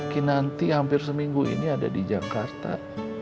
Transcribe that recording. kinanti hampir seminggu ini ada di jakarta